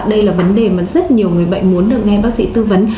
đây là vấn đề mà rất nhiều người bệnh muốn được nghe bác sĩ tư vấn